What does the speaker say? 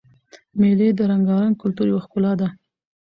مېلې د رنګارنګ کلتور یوه ښکلا ده.